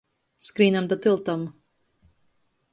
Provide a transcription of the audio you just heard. Skrīnam da tyltam.